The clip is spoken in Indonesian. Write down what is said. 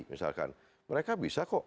misalkan mereka bisa kok